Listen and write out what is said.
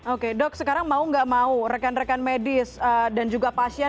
oke dok sekarang mau gak mau rekan rekan medis dan juga pasien